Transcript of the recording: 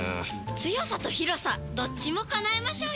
強さと広さどっちも叶えましょうよ！